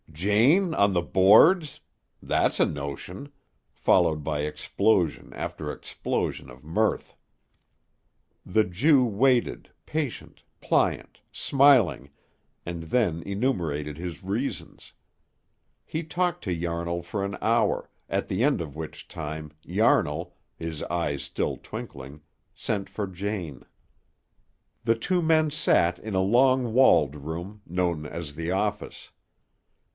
"Jane on the boards! That's a notion!" followed by explosion after explosion of mirth. The Jew waited, patient, pliant, smiling, and then enumerated his reasons. He talked to Yarnall for an hour, at the end of which time, Yarnall, his eyes still twinkling, sent for Jane. The two men sat in a log walled room, known as the office.